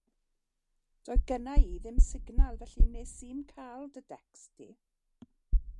Doedd genna i ddim signal felly wnes i 'im cael dy decst di.